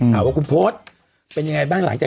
ถามว่าคุณพลสเป็นยังไงบ้างนะครับ